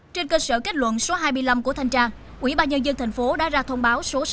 trên cơ sở kết luận số hai mươi năm của thanh trang ubnd tp hcm đã ra thông báo số sáu trăm năm mươi bốn